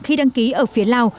khi đăng ký ở phía lào